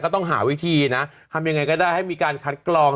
ต้องหาวิธีนะทำยังไงก็ได้ให้มีการคัดกรอง